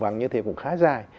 một quãng như thế cũng khá dài